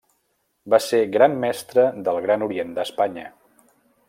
Va ser Gran Mestre del Gran Orient d'Espanya.